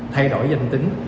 thay đổi danh tính